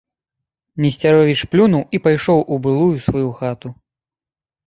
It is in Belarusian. Несцяровіч плюнуў і пайшоў у былую сваю хату.